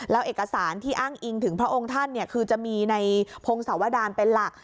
แล้วเอกสารที่อ้างอิงถึงพระองค์ท่านคือจะมีในพงศวดารเป็นหลัก